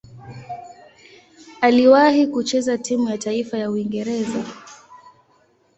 Aliwahi kucheza timu ya taifa ya Uingereza.